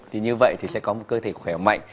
thì như vậy thì sẽ có một cơ thể khỏe mạnh